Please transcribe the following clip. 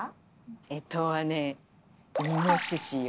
干支はねイノシシよ。